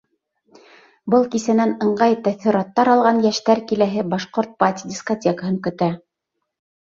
Был кисәнән ыңғай тәьҫораттар алған йәштәр киләһе «Башҡорт-пати» дискотекаһын көтә.